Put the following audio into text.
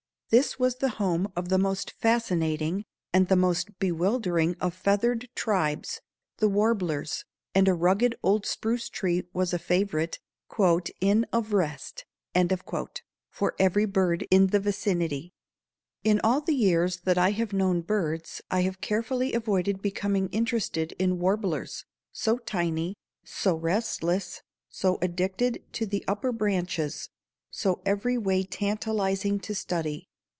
This was the home of the most fascinating and the most bewildering of feathered tribes, the warblers, and a rugged old spruce tree was a favorite "Inn of Rest" for every bird in the vicinity. In all the years that I have known birds I have carefully avoided becoming interested in warblers, so tiny, so restless, so addicted to the upper branches, so every way tantalizing to study.